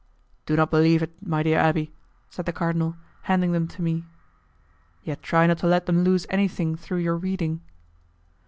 "Do not believe it, my dear abbé," said the cardinal, handing them to me. "Yet try not to let them lose anything through your reading."